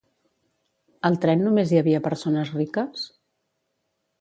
Al tren només hi havia persones riques?